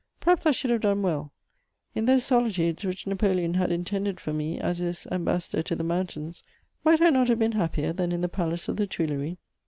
Perhaps I should have done well: in those solitudes which Napoleon had intended for me as his ambassador to the mountains, might I not have been happier than in the Palace of the Tuileries?